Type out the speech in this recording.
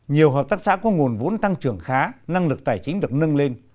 nhiều hợp tác xã có nguồn vốn tăng trưởng khá năng lực tài chính được nâng lên